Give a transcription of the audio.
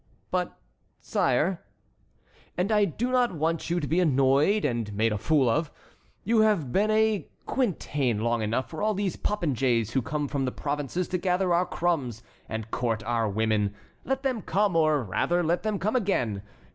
"But, sire"— "And I do not want you to be annoyed, and made a fool of. You have been a quintain long enough for all these popinjays who come from the provinces to gather our crumbs, and court our women. Let them come, or rather let them come again.